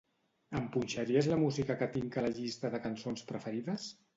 Em punxaries la música que tinc a la llista de cançons preferides?